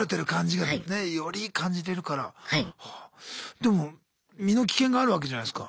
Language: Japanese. でも身の危険があるわけじゃないすか。